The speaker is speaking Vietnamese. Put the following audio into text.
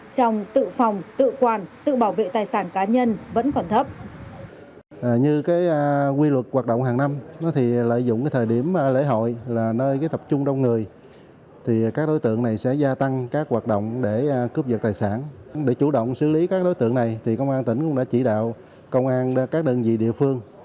trong tự phòng tự quản tự bảo vệ tài sản cá nhân vẫn còn thấp